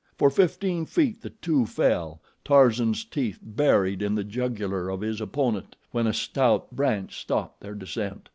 For fifteen feet the two fell, Tarzan's teeth buried in the jugular of his opponent, when a stout branch stopped their descent.